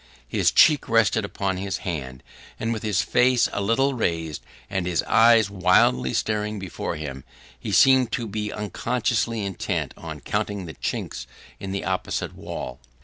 His cheek rested upon his hand; and, with his face a little raised, and his eyes wildly staring before him, he seemed to be unconsciously intent on counting the chinks in the opposite wall.